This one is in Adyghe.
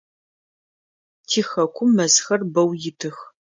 Тихэкум мэзхэр бэу итых.